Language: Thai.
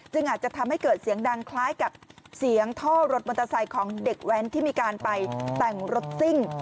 อาจจะทำให้เกิดเสียงดังคล้ายกับเสียงท่อรถมอเตอร์ไซค์ของเด็กแว้นที่มีการไปแต่งรถซิ่ง